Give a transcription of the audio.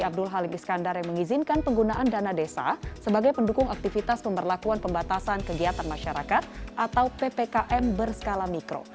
abdul halim iskandar yang mengizinkan penggunaan dana desa sebagai pendukung aktivitas pemberlakuan pembatasan kegiatan masyarakat atau ppkm berskala mikro